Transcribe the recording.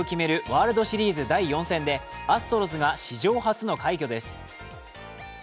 ワールドシリーズ第４戦でアストロズが史上初の快挙です。